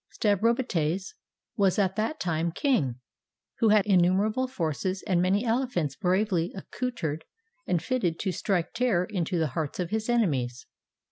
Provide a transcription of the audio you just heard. Stabrobates was at that time king, who had innumerable forces and many elephants bravely accoutered and fitted to strike terror into the hearts of his enemies.